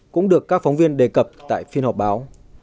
cũng được các phóng viên đề cập tại phiên họp báo